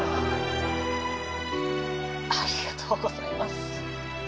ありがとうございます。